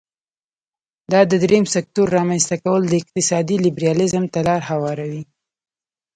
دا د دریم سکتور رامینځ ته کول د اقتصادي لیبرالیزم ته لار هواروي.